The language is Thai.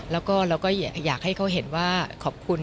แล้วก็เราก็อยากให้เขาเห็นว่าขอบคุณ